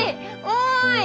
おい！